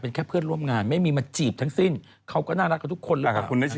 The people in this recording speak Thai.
เป็นแค่เพื่อนร่วมงานไม่มีมาจีบทั้งสิ้นเขาก็น่ารักกับทุกคนหรือเปล่า